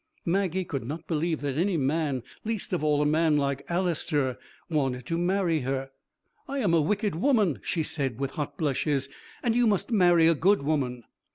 Maggie could not believe that any man, least of all a man like Alister, wanted to marry her. 'I am a wicked woman,' she said with hot blushes, 'and you must marry a good woman.'